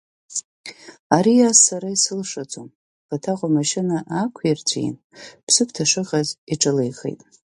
Ари ас сара исылшаӡом, Баҭаҟәа амашьына аақәирҵәиин, Бзыԥҭа шыҟаз иҿылеихеит.